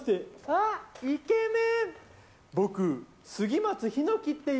あ、イケメン。